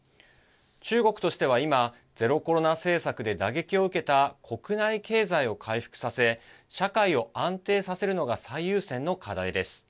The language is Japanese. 中国としては今、ゼロコロナ政策で打撃を受けた国内経済を回復させ社会を安定させるのが最優先の課題です。